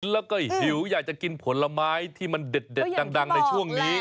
แล้วก็หิวอยากจะกินผลไม้ที่มันเด็ดดังในช่วงนี้